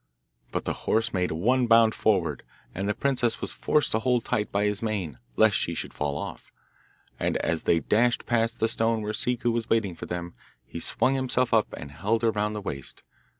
But the horse made one bound forward, and the princess was forced to hold tight by his mane, lest she should fall off. And as they dashed past the stone where Ciccu was waiting for them, he swung himself up and held her round the waist.